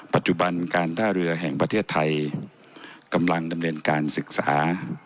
ปัจจุบันการท่าเรือแห่งประเทศไทยกำลังดำเนินการศึกษา